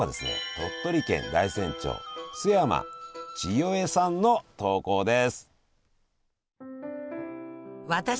鳥取県大山町陶山ちよえさんの投稿です。